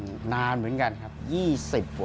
ช่วงนั้นมาแล้วเรามาประกอบอาชีพอะไรบ้างครับ